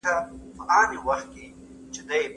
په جهاد کي د باطل په وړاندي مبارزه فرض ده.